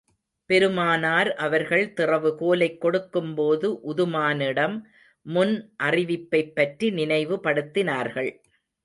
பெருமானார் அவர்கள் திறவு கோலைக் கொடுக்கும் போது உதுமானிடம் முன் அறிவிப்பைப் பற்றி நினைவு படுத்தினார்கள்.